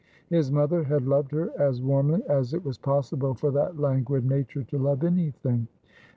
His mother had loved her as warmly as it was possible for that languid nature to love anything.